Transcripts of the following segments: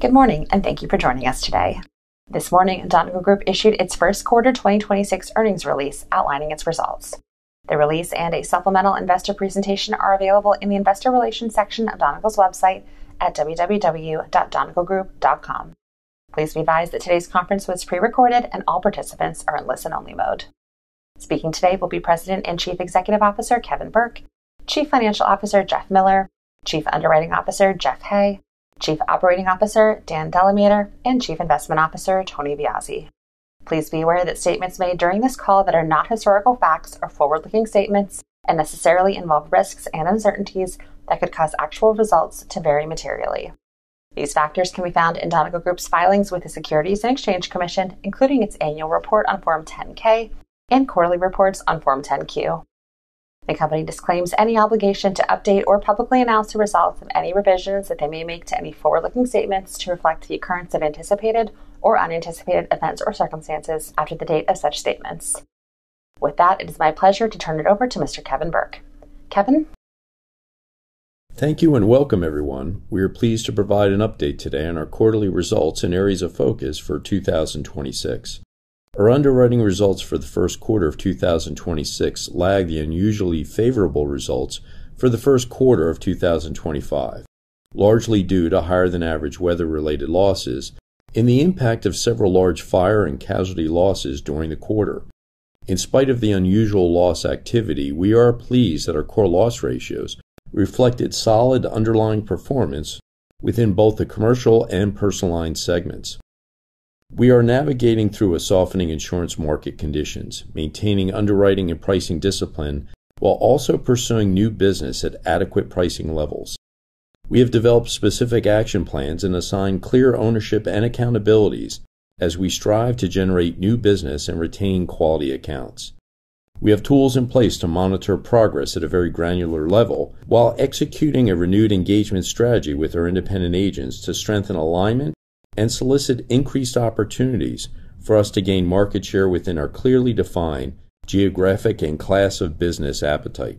Good morning, and thank you for joining us today. This morning, Donegal Group issued its first quarter 2026 earnings release outlining its results. The release and a supplemental investor presentation are available in the investor relations section of Donegal's website @www.donegalgroup.com. Please be advised that today's conference was pre-recorded and all participants are in listen-only mode. Speaking today will be President and Chief Executive Officer, Kevin Burke; Chief Financial Officer, Jeff Miller; Chief Underwriting Officer, Jeff Hay; Chief Operating Officer, Dan DeLamater; and Chief Investment Officer, Tony Viozzi. Please be aware that statements made during this call that are not historical facts are forward-looking statements and necessarily involve risks and uncertainties that could cause actual results to vary materially. These factors can be found in Donegal Group's filings with the Securities and Exchange Commission, including its annual report on Form 10-K and quarterly reports on Form 10-Q. The company disclaims any obligation to update or publicly announce the results of any revisions that they may make to any forward-looking statements to reflect the occurrence of anticipated or unanticipated events or circumstances after the date of such statements. With that, it is my pleasure to turn it over to Mr. Kevin Burke. Kevin? Thank you and welcome everyone. We are pleased to provide an update today on our quarterly results and areas of focus for 2026. Our underwriting results for the 1st quarter of 2026 lag the unusually favorable results for the 1st quarter of 2025, largely due to higher than average weather-related losses and the impact of several large fire and casualty losses during the quarter. In spite of the unusual loss activity, we are pleased that our core loss ratios reflected solid underlying performance within both the commercial and personal line segments. We are navigating through a softening insurance market conditions, maintaining underwriting and pricing discipline while also pursuing new business at adequate pricing levels. We have developed specific action plans and assigned clear ownership and accountabilities as we strive to generate new business and retain quality accounts. We have tools in place to monitor progress at a very granular level while executing a renewed engagement strategy with our independent agents to strengthen alignment and solicit increased opportunities for us to gain market share within our clearly defined geographic and class of business appetite.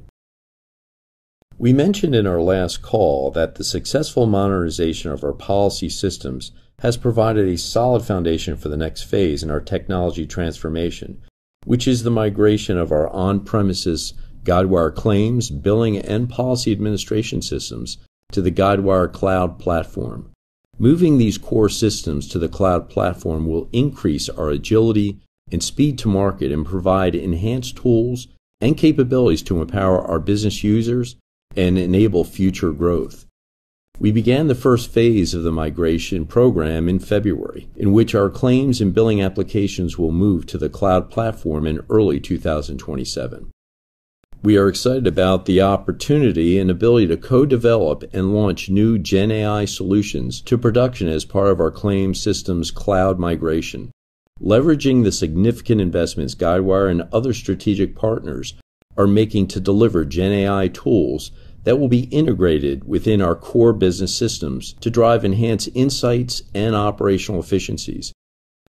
We mentioned in our last call that the successful modernization of our policy systems has provided a solid foundation for the next phase in our technology transformation, which is the migration of our on-premises Guidewire claims, billing, and policy administration systems to the Guidewire Cloud platform. Moving these core systems to the cloud platform will increase our agility and speed to market and provide enhanced tools and capabilities to empower our business users and enable future growth. We began the first phase of the migration program in February, in which our claims and billing applications will move to the cloud platform in early 2027. We are excited about the opportunity and ability to co-develop and launch new GenAI solutions to production as part of our claims systems cloud migration. Leveraging the significant investments Guidewire and other strategic partners are making to deliver GenAI tools that will be integrated within our core business systems to drive enhanced insights and operational efficiencies.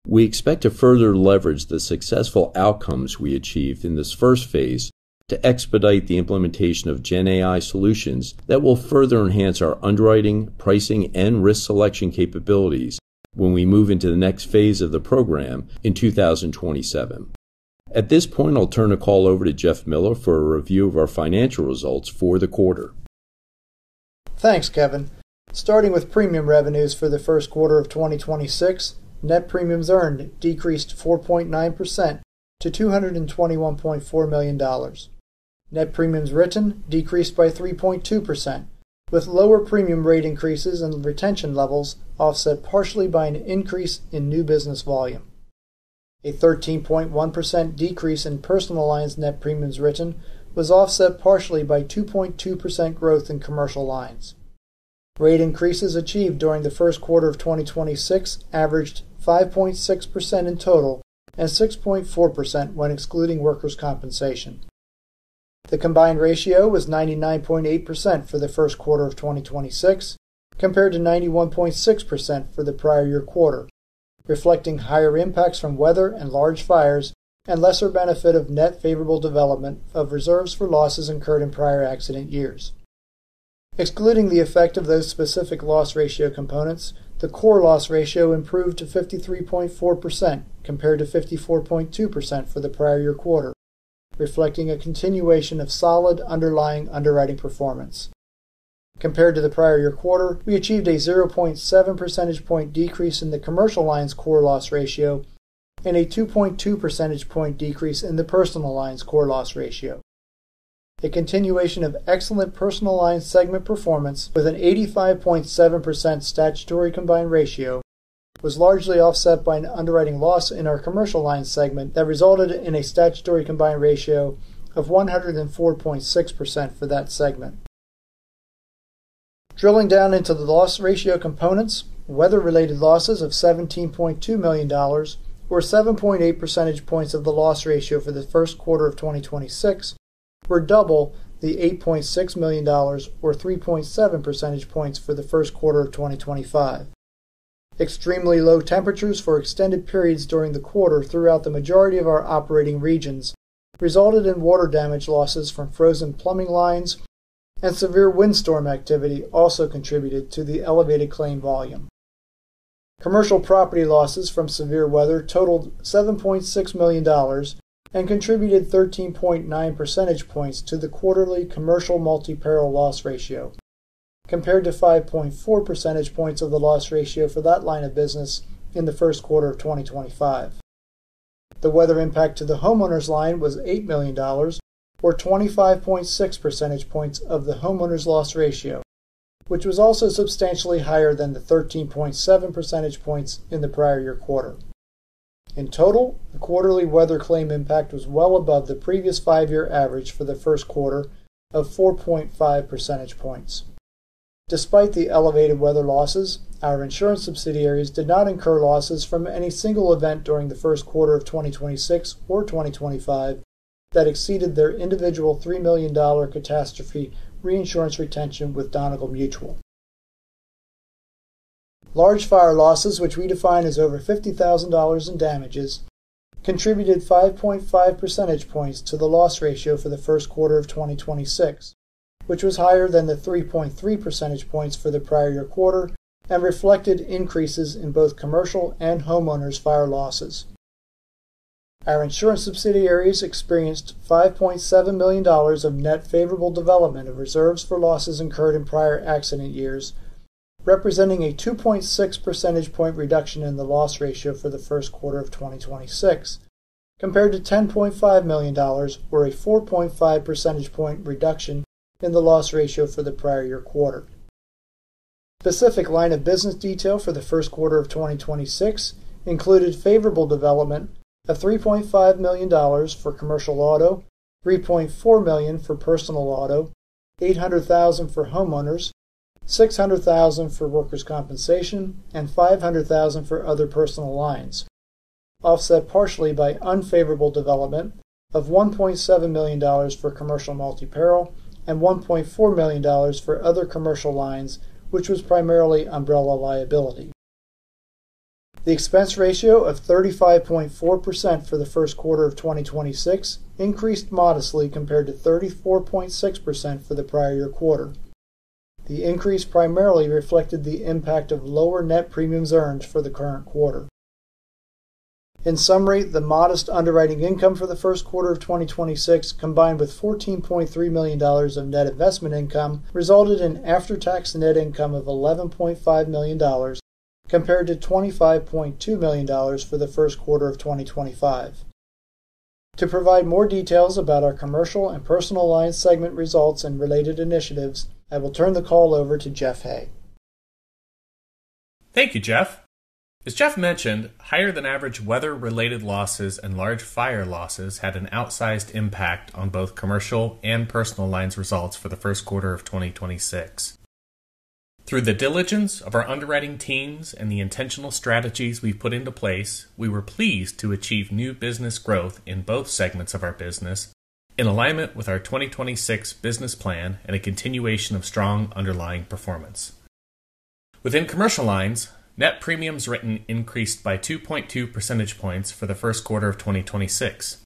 We expect to further leverage the successful outcomes we achieved in this first phase to expedite the implementation of GenAI solutions that will further enhance our underwriting, pricing, and risk selection capabilities when we move into the next phase of the program in 2027. At this point, I'll turn the call over to Jeff Miller for a review of our financial results for the quarter. Thanks, Kevin. Starting with premium revenues for the first quarter of 2026, net premiums earned decreased 4.9% to $221.4 million. Net premiums written decreased by 3.2%, with lower premium rate increases and retention levels offset partially by an increase in new business volume. A 13.1% decrease in personal lines net premiums written was offset partially by 2.2% growth in commercial lines. Rate increases achieved during the first quarter of 2026 averaged 5.6% in total and 6.4% when excluding workers' compensation. The combined ratio was 99.8% for the first quarter of 2026 compared to 91.6% for the prior year quarter, reflecting higher impacts from weather and large fires and lesser benefit of net favorable development of reserves for losses incurred in prior accident years. Excluding the effect of those specific loss ratio components, the core loss ratio improved to 53.4% compared to 54.2% for the prior year quarter, reflecting a continuation of solid underlying underwriting performance. Compared to the prior year quarter, we achieved a 0.7% point decrease in the commercial lines core loss ratio and a 2.2% point decrease in the personal lines core loss ratio. A continuation of excellent personal lines segment performance with an 85.7% statutory combined ratio was largely offset by an underwriting loss in our commercial lines segment that resulted in a statutory combined ratio of 104.6% for that segment. Drilling down into the loss ratio components, weather-related losses of $17.2 million, or 7.8% points of the loss ratio for the first quarter of 2026, were double the $8.6 million or 3.7% points for the first quarter of 2025. Extremely low temperatures for extended periods during the quarter throughout the majority of our operating regions resulted in water damage losses from frozen plumbing lines. Severe windstorm activity also contributed to the elevated claim volume. Commercial property losses from severe weather totaled $7.6 million and contributed 13.9% points to the quarterly commercial multi-peril loss ratio, compared to 5.4% points of the loss ratio for that line of business in the first quarter of 2025. The weather impact to the homeowners line was $8 million or 25.6% points of the homeowners loss ratio, which was also substantially higher than the 13.7% points in the prior year quarter. In total, the quarterly weather claim impact was well above the previous five year average for the first quarter of 4.5% points. Despite the elevated weather losses, our insurance subsidiaries did not incur losses from any single event during the first quarter of 2026 or 2025 that exceeded their individual $3 million catastrophe reinsurance retention with Donegal Mutual. Large fire losses, which we define as over $50,000 in damages, contributed 5.5% points to the loss ratio for the first quarter of 2026, which was higher than the 3.3% points for the prior year quarter and reflected increases in both commercial and homeowners fire losses. Our insurance subsidiaries experienced $5.7 million of net favorable development of reserves for losses incurred in prior accident years, representing a 2.6% point reduction in the loss ratio for the first quarter of 2026, compared to $10.5 million or a 4.5% point reduction in the loss ratio for the prior year quarter. Specific line of business detail for the first quarter of 2026 included favorable development of $3.5 million for commercial auto, $3.4 million for personal auto, $800,000 for homeowners, $600,000 for workers' compensation, and $500,000 for other personal lines, offset partially by unfavorable development of $1.7 million for commercial multi-peril and $1.4 million for other commercial lines, which was primarily umbrella liability. The expense ratio of 35.4% for the first quarter of 2026 increased modestly compared to 34.6% for the prior year quarter. The increase primarily reflected the impact of lower net premiums earned for the current quarter. In summary, the modest underwriting income for the first quarter of 2026, combined with $14.3 million of net investment income, resulted in after-tax net income of $11.5 million compared to $25.2 million for the first quarter of 2025. To provide more details about our commercial and personal alliance segment results and related initiatives, I will turn the call over to Jeff Hay. Thank you, Jeff. As Jeff mentioned, higher than average weather-related losses and large fire losses had an outsized impact on both commercial and personal lines results for the first quarter of 2026. Through the diligence of our underwriting teams and the intentional strategies we've put into place, we were pleased to achieve new business growth in both segments of our business in alignment with our 2026 business plan and a continuation of strong underlying performance. Within commercial lines, net premiums written increased by 2.2% points for the first quarter of 2026.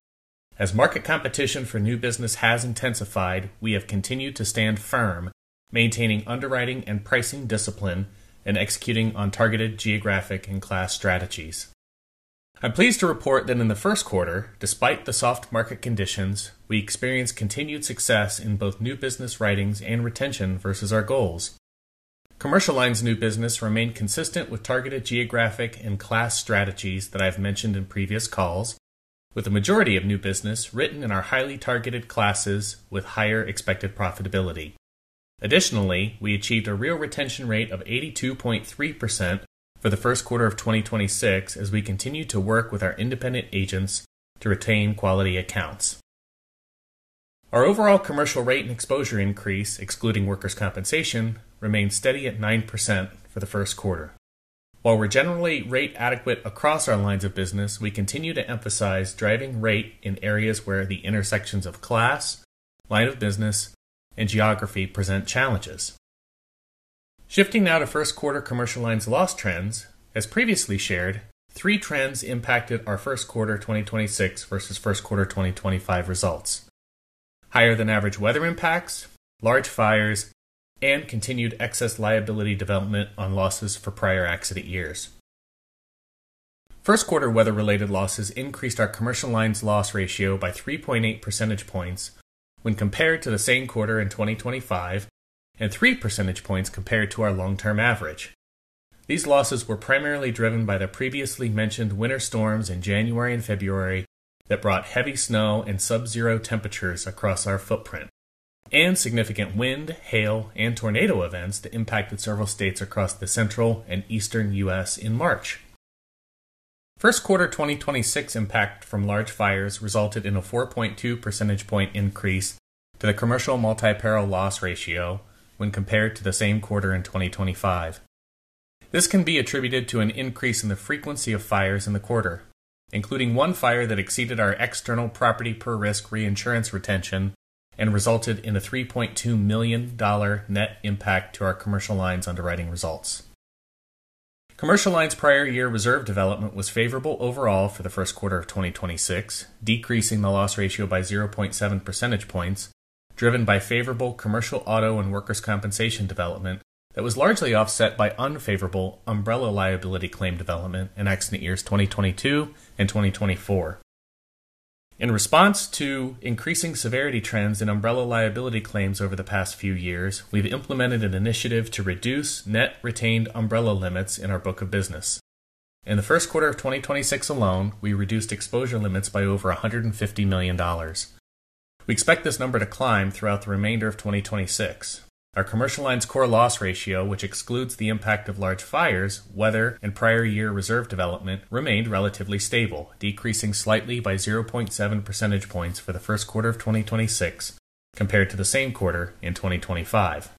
As market competition for new business has intensified, we have continued to stand firm, maintaining underwriting and pricing discipline and executing on targeted geographic and class strategies. I'm pleased to report that in the first quarter, despite the soft market conditions, we experienced continued success in both new business writings and retention versus our goals. Commercial lines new business remained consistent with targeted geographic and class strategies that I've mentioned in previous calls, with the majority of new business written in our highly targeted classes with higher expected profitability. Additionally, we achieved a real retention rate of 82.3% for the first quarter of 2026 as we continue to work with our independent agents to retain quality accounts. Our overall commercial rate and exposure increase, excluding workers' compensation, remained steady at 9% for the first quarter. While we're generally rate adequate across our lines of business, we continue to emphasize driving rate in areas where the intersections of class, line of business, and geography present challenges. Shifting now to first quarter commercial lines loss trends, as previously shared, three trends impacted our first quarter 2026 versus first quarter 2025 results: higher than average weather impacts, large fires, and continued excess liability development on losses for prior accident years. First quarter weather-related losses increased our commercial lines loss ratio by 3.8% points when compared to the same quarter in 2025 and 3% points compared to our long-term average. These losses were primarily driven by the previously mentioned winter storms in January and February that brought heavy snow and subzero temperatures across our footprint and significant wind, hail, and tornado events that impacted several states across the Central and Eastern U.S. in March. First quarter 2026 impact from large fires resulted in a 4.2% point increase to the commercial multi-peril loss ratio when compared to the same quarter in 2025. This can be attributed to an increase in the frequency of fires in the quarter, including one fire that exceeded our external property per risk reinsurance retention and resulted in a $3.2 million net impact to our commercial lines underwriting results. Commercial lines prior year reserve development was favorable overall for the first quarter of 2026, decreasing the loss ratio by 0.7% points, driven by favorable commercial auto and workers' compensation development that was largely offset by unfavorable umbrella liability claim development in accident years 2022 and 2024. In response to increasing severity trends in umbrella liability claims over the past few years, we've implemented an initiative to reduce net retained umbrella limits in our book of business. In the first quarter of 2026 alone, we reduced exposure limits by over $150 million. We expect this number to climb throughout the remainder of 2026. Our commercial lines core loss ratio, which excludes the impact of large fires, weather, and prior year reserve development, remained relatively stable, decreasing slightly by 0.7% points for the first quarter of 2026 compared to the same quarter in 2025.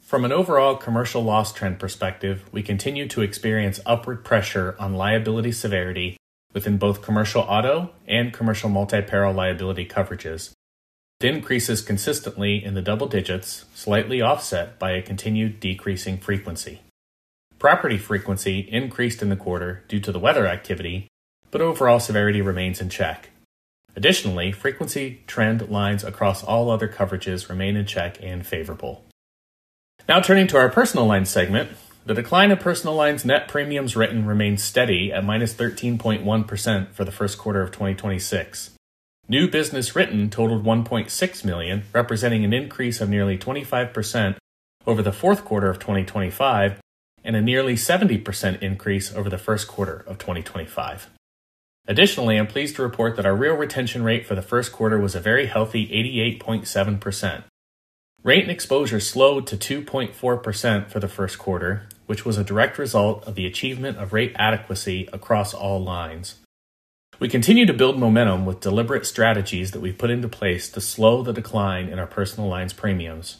From an overall commercial loss trend perspective, we continue to experience upward pressure on liability severity within both commercial auto and commercial multi-peril liability coverages. The increase is consistently in the double digits, slightly offset by a continued decreasing frequency. Property frequency increased in the quarter due to the weather activity, but overall severity remains in check. Additionally, frequency trend lines across all other coverages remain in check and favorable. Now turning to our personal lines segment. The decline of personal lines net premiums written remains steady at minus 13.1% for the first quarter of 2026. New business written totaled $1.6 million, representing an increase of nearly 25% over the fourth quarter of 2025 and a nearly 70% increase over the first quarter of 2025. Additionally, I'm pleased to report that our real retention rate for the first quarter was a very healthy 88.7%. Rate and exposure slowed to 2.4% for the first quarter, which was a direct result of the achievement of rate adequacy across all lines. We continue to build momentum with deliberate strategies that we've put into place to slow the decline in our personal lines premiums.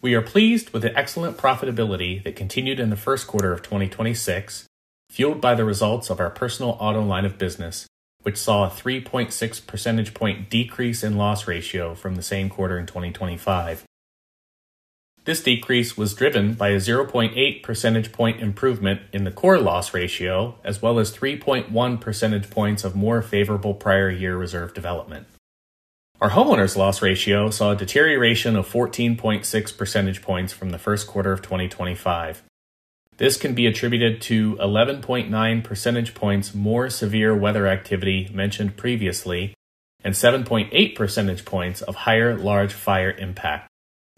We are pleased with the excellent profitability that continued in the first quarter of 2026, fueled by the results of our personal auto line of business, which saw a 3.6% point decrease in loss ratio from the same quarter in 2025. This decrease was driven by a 0.8% point improvement in the core loss ratio, as well as 3.1% points of more favorable prior year reserve development. Our homeowners loss ratio saw a deterioration of 14.6% points from the first quarter of 2025. This can be attributed to 11.9% points more severe weather activity mentioned previously, and 7.8% points of higher large fire impact,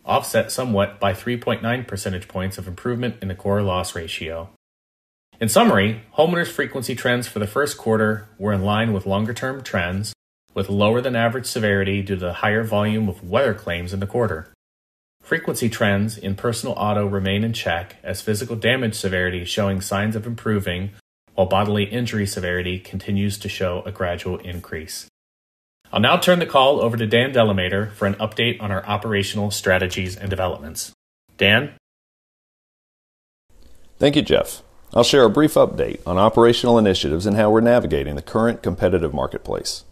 offset somewhat by 3.9% points of improvement in the core loss ratio. In summary, homeowners frequency trends for the 1st quarter were in line with longer-term trends, with lower than average severity due to the higher volume of weather claims in the quarter. Frequency trends in personal auto remain in check as physical damage severity showing signs of improving, while bodily injury severity continues to show a gradual increase. I'll now turn the call over to Dan DeLamater for an update on our operational strategies and developments. Dan? Thank you, Jeff. I'll share a brief update on operational initiatives and how we're navigating the current competitive marketplace.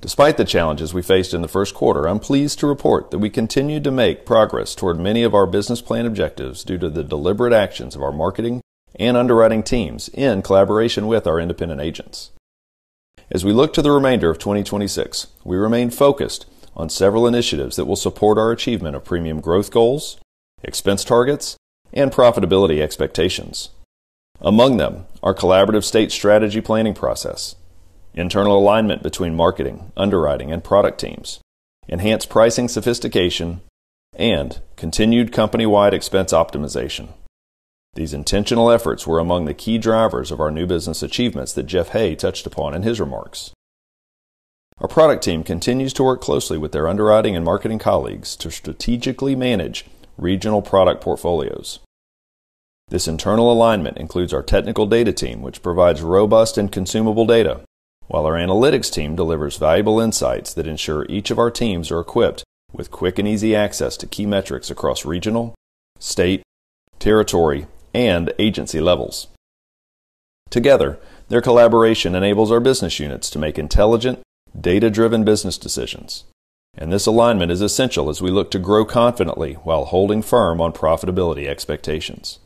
Despite the challenges we faced in the first quarter, I'm pleased to report that we continued to make progress toward many of our business plan objectives due to the deliberate actions of our marketing and underwriting teams in collaboration with our independent agents. We look to the remainder of 2026, we remain focused on several initiatives that will support our achievement of premium growth goals, expense targets, and profitability expectations. Among them are collaborative state strategy planning process, internal alignment between marketing, underwriting, and product teams, enhanced pricing sophistication, and continued company-wide expense optimization. These intentional efforts were among the key drivers of our new business achievements that Jeff Hay touched upon in his remarks. Our product team continues to work closely with their underwriting and marketing colleagues to strategically manage regional product portfolios. This internal alignment includes our technical data team, which provides robust and consumable data, while our analytics team delivers valuable insights that ensure each of our teams are equipped with quick and easy access to key metrics across regional, state, territory, and agency levels. Together, their collaboration enables our business units to make intelligent, data-driven business decisions. This alignment is essential as we look to grow confidently while holding firm on profitability expectations.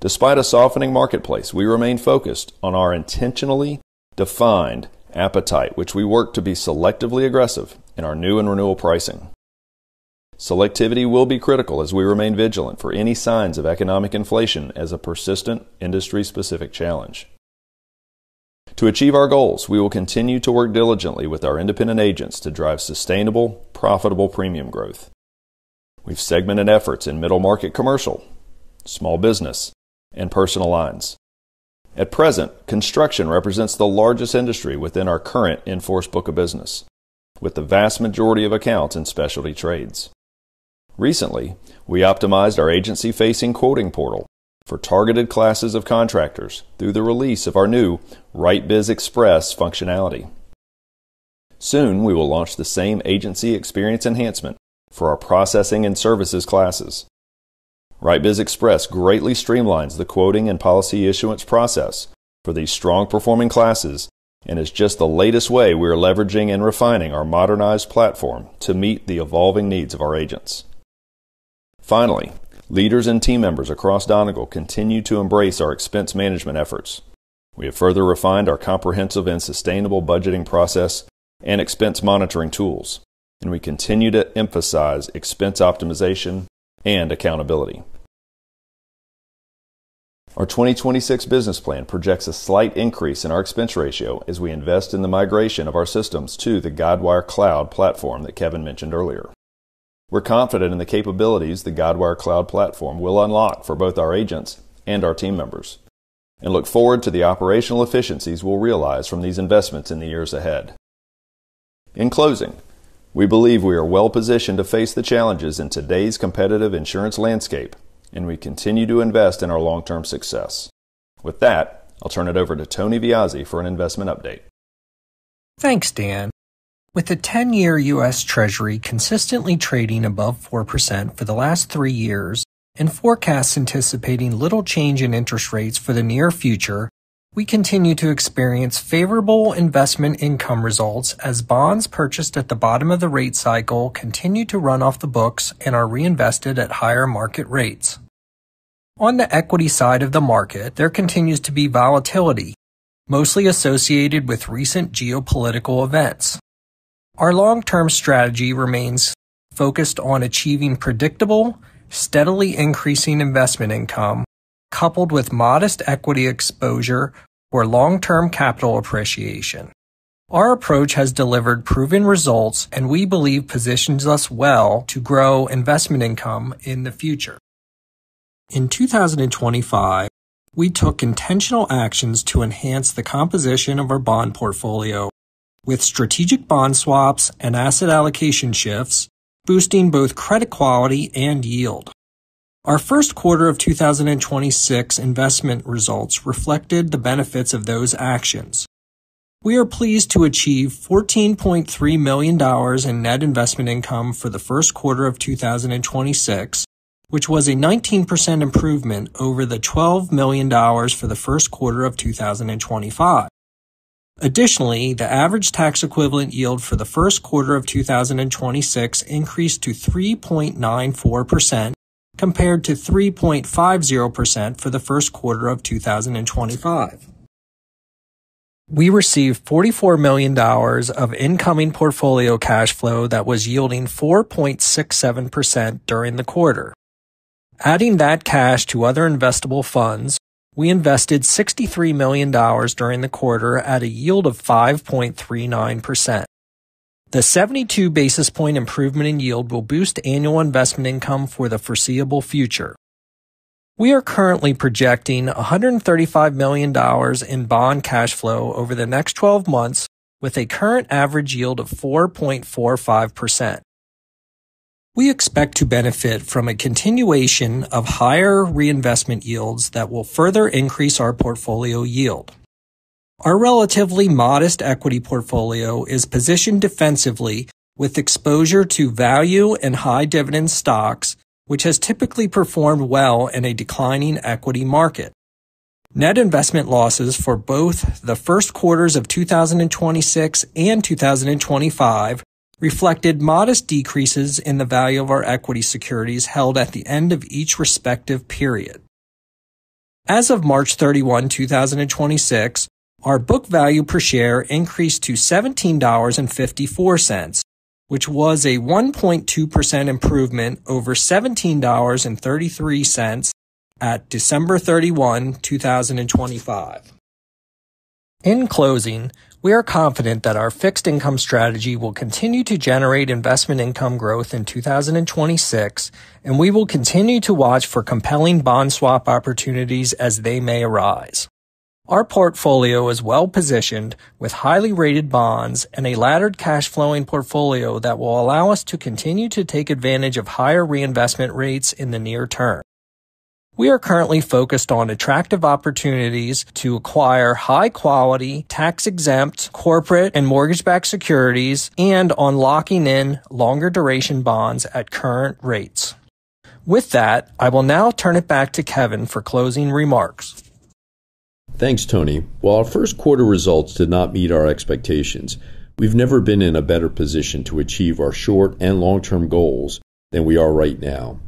Despite a softening marketplace, we remain focused on our intentionally defined appetite, which we work to be selectively aggressive in our new and renewal pricing. Selectivity will be critical as we remain vigilant for any signs of economic inflation as a persistent industry-specific challenge. To achieve our goals, we will continue to work diligently with our independent agents to drive sustainable, profitable premium growth. We've segmented efforts in middle market commercial, small business, and personal lines. At present, construction represents the largest industry within our current in-force book of business, with the vast majority of accounts in specialty trades. Recently, we optimized our agency-facing quoting portal for targeted classes of contractors through the release of our new WriteBiz Express functionality. Soon, we will launch the same agency experience enhancement for our processing and services classes. WriteBiz Express greatly streamlines the quoting and policy issuance process for these strong-performing classes and is just the latest way we are leveraging and refining our modernized platform to meet the evolving needs of our agents. Finally, leaders and team members across Donegal continue to embrace our expense management efforts. We have further refined our comprehensive and sustainable budgeting process and expense monitoring tools. We continue to emphasize expense optimization and accountability. Our 2026 business plan projects a slight increase in our expense ratio as we invest in the migration of our systems to the Guidewire Cloud platform that Kevin mentioned earlier. We're confident in the capabilities the Guidewire Cloud platform will unlock for both our agents and our team members and look forward to the operational efficiencies we'll realize from these investments in the years ahead. In closing, we believe we are well-positioned to face the challenges in today's competitive insurance landscape. We continue to invest in our long-term success. With that, I'll turn it over to Tony Viozzi for an investment update. Thanks, Dan. With the 10-year U.S. Treasury consistently trading above 4% for the last three years and forecasts anticipating little change in interest rates for the near future, we continue to experience favorable investment income results as bonds purchased at the bottom of the rate cycle continue to run off the books and are reinvested at higher market rates. On the equity side of the market, there continues to be volatility, mostly associated with recent geopolitical events. Our long-term strategy remains focused on achieving predictable, steadily increasing investment income coupled with modest equity exposure for long-term capital appreciation. Our approach has delivered proven results. We believe positions us well to grow investment income in the future. In 2025, we took intentional actions to enhance the composition of our bond portfolio with strategic bond swaps and asset allocation shifts, boosting both credit quality and yield. Our first quarter of 2026 investment results reflected the benefits of those actions. We are pleased to achieve $14.3 million in net investment income for the first quarter of 2026, which was a 19% improvement over the $12 million for the first quarter of 2025. Additionally, the average tax equivalent yield for the first quarter of 2026 increased to 3.94% compared to 3.50% for the first quarter of 2025. We received $44 million of incoming portfolio cash flow that was yielding 4.67% during the quarter. Adding that cash to other investable funds, we invested $63 million during the quarter at a yield of 5.39%. The 72 basis point improvement in yield will boost annual investment income for the foreseeable future. We are currently projecting $135 million in bond cash flow over the next 12 months with a current average yield of 4.45%. We expect to benefit from a continuation of higher reinvestment yields that will further increase our portfolio yield. Our relatively modest equity portfolio is positioned defensively with exposure to value and high dividend stocks, which has typically performed well in a declining equity market. Net investment losses for both the first quarters of 2026 and 2025 reflected modest decreases in the value of our equity securities held at the end of each respective period. As of March 31, 2026, our book value per share increased to $17.54, which was a 1.2% improvement over $17.33 at December 31, 2025. In closing, we are confident that our fixed income strategy will continue to generate investment income growth in 2026, we will continue to watch for compelling bond swap opportunities as they may arise. Our portfolio is well-positioned with highly rated bonds and a laddered cash flowing portfolio that will allow us to continue to take advantage of higher reinvestment rates in the near term. We are currently focused on attractive opportunities to acquire high-quality, tax-exempt corporate and mortgage-backed securities and on locking in longer duration bonds at current rates. With that, I will now turn it back to Kevin for closing remarks. Thanks, Tony. While our first quarter results did not meet our expectations, we've never been in a better position to achieve our short and long-term goals than we are right now.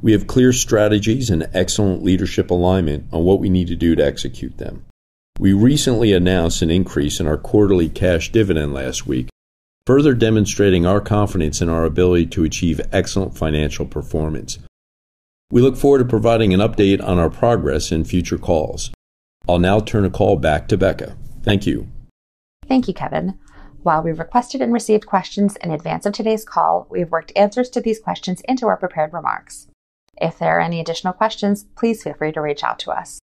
We have clear strategies and excellent leadership alignment on what we need to do to execute them. We recently announced an increase in our quarterly cash dividend last week, further demonstrating our confidence in our ability to achieve excellent financial performance. We look forward to providing an update on our progress in future calls. I'll now turn the call back to Becca. Thank you. Thank you, Kevin. While we requested and received questions in advance of today's call, we have worked answers to these questions into our prepared remarks. If there are any additional questions, please feel free to reach out to us.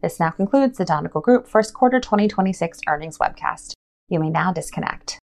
This now concludes the Donegal Group First Quarter 2026 Earnings Webcast. You may now disconnect.